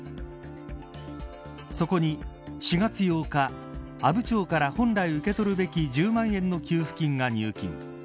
そこに４月８日阿武町から本来受け取るべき１０万円の給付金が入金。